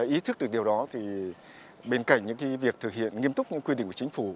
ý thức được điều đó thì bên cạnh những việc thực hiện nghiêm túc những quy định của chính phủ